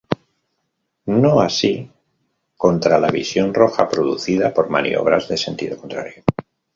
No así contra la visión roja producida por maniobras de sentido contrario.